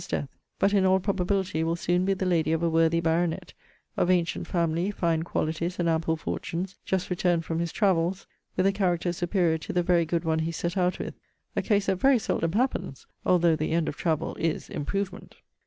's death: but, in all probability, will soon be the lady of a worthy baronet, of ancient family, fine qualities, and ample fortunes, just returned from his travels, with a character superior to the very good one he set out with: a case that very seldom happens, although the end of travel is improvement.